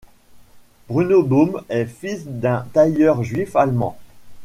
Bruno Baum est fils d'un tailleur juif allemand.